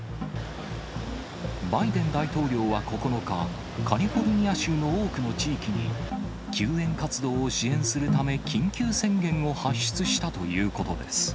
バイデン大統領は９日、カリフォルニア州の多くの地域に、救援活動を支援するため緊急宣言を発出したということです。